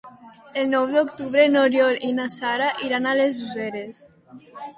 El nou d'octubre n'Oriol i na Sara iran a les Useres.